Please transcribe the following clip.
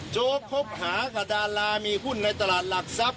โจ๊กคบหากับดารามีหุ้นในตลาดหลักทรัพย